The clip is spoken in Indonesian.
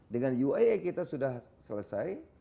dengan uia kita sudah selesai